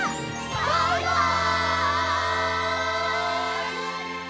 バイバイ！